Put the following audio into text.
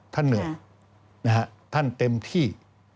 ท่านเหนือท่านเต็มที่